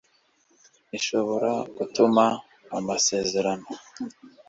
ishobora gutuma amasezerano